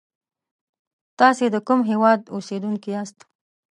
تاسی دکوم هیواد اوسیدونکی یاست